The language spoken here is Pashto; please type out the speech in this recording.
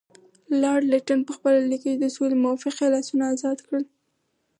لارډ لیټن پخپله لیکي چې د سولې موافقې لاسونه ازاد کړل.